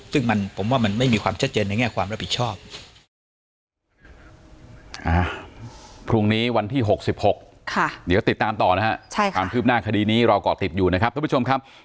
ซึ่งผมว่ามันไม่มีความชัดเจนในแง่ความรับผิดชอบ